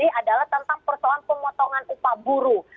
ini adalah tentang persoalan pemotongan upah buruh